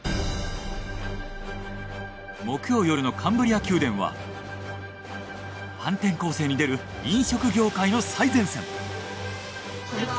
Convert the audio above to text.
木曜夜の『カンブリア宮殿』は反転攻勢に出る飲食業界の最前線。